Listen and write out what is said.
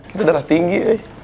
itu darah tinggi